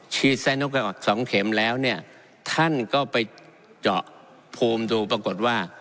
ชีดไซโนแวค๒เข็มแล้วเนี่ยท่านก็ไปเจาะภูมิดูปรากฏว่า